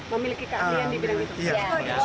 memiliki keahlian di bidang itu